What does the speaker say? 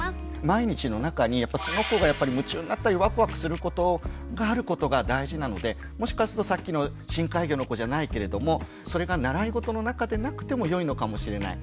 毎日の中にその子が夢中になったりワクワクすることがあることが大事なのでもしかするとさっきの深海魚の子じゃないけれどもそれが習いごとの中でなくてもよいのかもしれない。